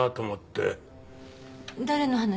誰の話？